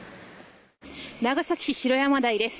長崎市城山台です。